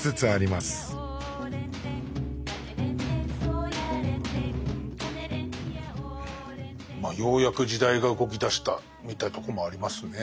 まあようやく時代が動きだしたみたいなとこもありますね。